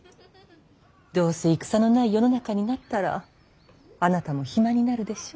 どうせ戦のない世の中になったらあなたも暇になるでしょ。